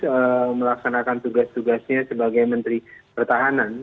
untuk melaksanakan tugas tugasnya sebagai menteri pertahanan